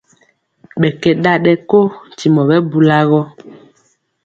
Ɓɛ kɛ ɗaɗɛ ko ntimo ɓɛ bula gɔ.